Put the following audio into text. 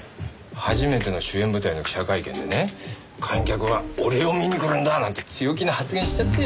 初めての主演舞台の記者会見でね観客は俺を見に来るんだなんて強気な発言しちゃって。